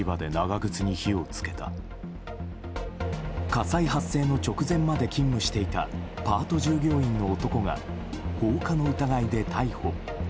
火災発生の直前まで勤務していたパート従業員の男が放火の疑いで逮捕。